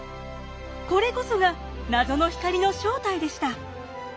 これこそが謎の光の正体でした！